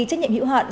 trách nhiệm hữu hạn